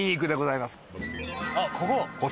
あっここ？